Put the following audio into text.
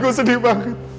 tapi gue sedih banget